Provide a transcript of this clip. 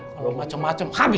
kalau macem macem habis